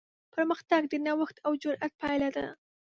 پرمختګ د نوښت او جرات پایله ده.